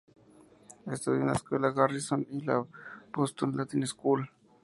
Estudió en la escuela Garrison y la Boston Latin School.